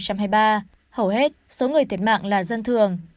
hầu hết số người thiệt mạng là dân thường